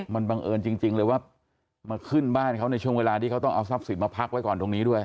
มันบังเอิญจริงเลยว่ามาขึ้นบ้านเขาในช่วงเวลาที่เขาต้องเอาทรัพย์สินมาพักไว้ก่อนตรงนี้ด้วย